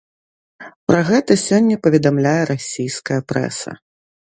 Пра гэта сёння паведамляе расійская прэса.